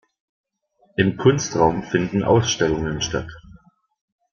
Im Kunstraum finden Ausstellungen statt.